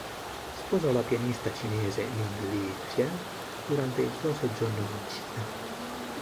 Sposò la pianista cinese Ming Lee Hsien durante il suo soggiorno in Cina.